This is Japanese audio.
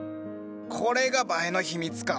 これが映えの秘密か。